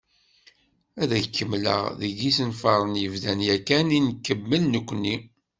Ad d-kemmleɣ deg yisenfaren yebdan yakan i nekemmel nekkni.